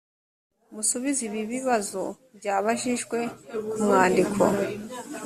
musubize ibi bibazo byabajijwe ku mwandiko